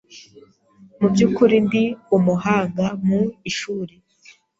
Mu by’ukuri, ndi umuhanga mu ishuri.